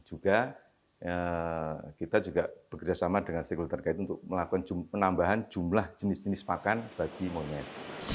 juga kita juga bekerjasama dengan stakeholder terkait untuk melakukan penambahan jumlah jenis jenis pakan bagi monyet